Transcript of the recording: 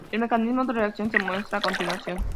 El mecanismo de reacción se muestra a continuación.